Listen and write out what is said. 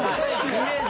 イメージ。